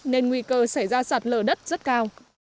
nên nguy cơ xảy ra sạt lở đất rất cao